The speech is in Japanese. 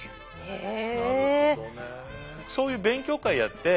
へえ。